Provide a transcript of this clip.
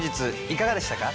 いかがでしたか？